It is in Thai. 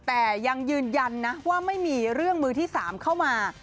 แต่ยังยืนยันนะว่าไม่มีเรื่องมือที่๓เข้ามา